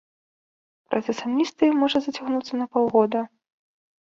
Працэс амністыі можа зацягнуцца на паўгода.